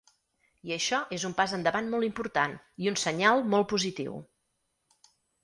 I això és un pas endavant molt important i un senyal molt positiu.